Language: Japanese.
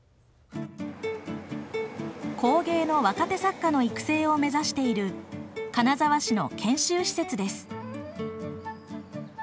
工芸の若手作家の育成を目指している金沢市の研修施設です。